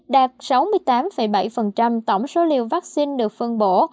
đạt sáu mươi tám bảy tổng số liều vaccine được phân bổ